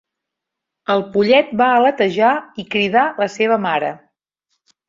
El pollet va aletejar i cridà la seva mare.